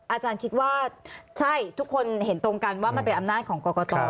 อาจารย์คิดว่าใช่ทุกคนเห็นตรงกันว่ามันเป็นอำนาจของกรกต